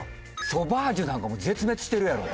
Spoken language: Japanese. ソバージュなんかもう絶滅してるやろ。